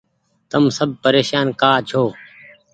تم سب پريشان ڪآ ڇو۔